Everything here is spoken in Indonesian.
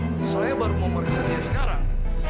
loh saya baru mau meresapnya sekarang